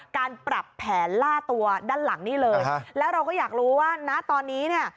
การปรับแผนล่าตัวด้านหลังนี่เลยแล้วเราก็อยากรู้ว่าณตอนนี้เนี่ย